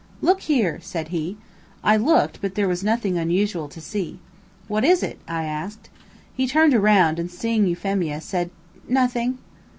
"Look here!" said he. I looked, but there was nothing unusual to see. "What is it?" I asked. He turned around and seeing Euphemia, said: "Nothing."